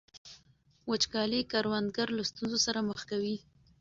وچکالي کروندګر له ستونزو سره مخ کوي.